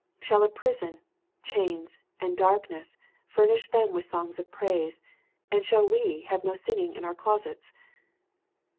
Shall a prison, chains, and darkness, furnish them with songs of praise, and shall we have no sing ings in our closets